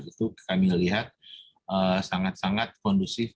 itu kami melihat sangat sangat kondusif